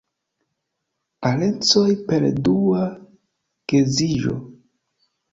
Parencoj per dua geedziĝo.